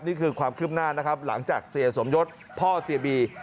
นี่คือความคืบหน้านะครับหลังจากเสียสมยศพ่อเสียบี